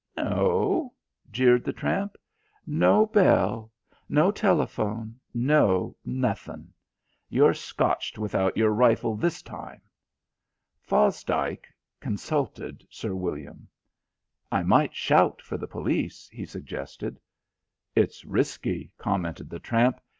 "No?" jeered the tramp. "No bell. No telephone. No nothing. You're scotched without your rifle this time." Fosdike consulted Sir William. "I might shout for the police," he suggested. "It's risky," commented the tramp.